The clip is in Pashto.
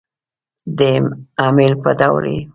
د امیل په ډول يې